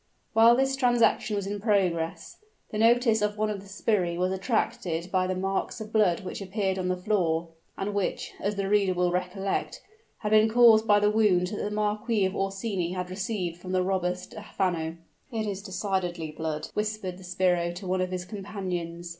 While this transaction was in progress, the notice of one of the sbirri was attracted by the marks of blood which appeared on the floor, and which, as the reader will recollect, had been caused by the wound that the Marquis of Orsini had received from the robber Stephano. "It is decidedly blood," whispered the sbirro to one of his companions.